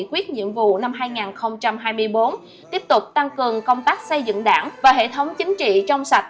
quyết nhiệm vụ năm hai nghìn hai mươi bốn tiếp tục tăng cường công tác xây dựng đảng và hệ thống chính trị trong sạch